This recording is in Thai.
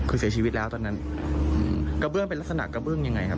คือเสียชีวิตแล้วตอนนั้นกระเบื้องเป็นลักษณะกระเบื้องยังไงครับ